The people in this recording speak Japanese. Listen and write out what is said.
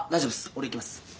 俺行きます。